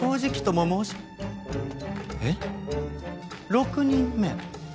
６人目？